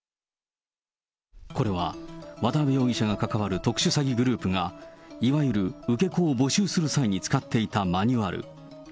これは、渡辺容疑者が関わる特殊詐欺グループが、いわゆる受け子を募集する際に使っていたマニュアル。